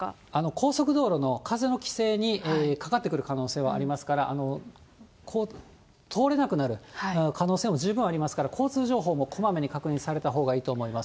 高速道路の風の規制にかかってくる可能性はありますから、通れなくなる可能性も十分ありますから、交通情報もこまめに確認されたほうがいいと思います。